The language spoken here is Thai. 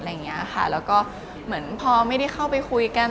แล้วก็เหมือนพอไม่ได้เข้าไปคุยกัน